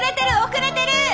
遅れてる！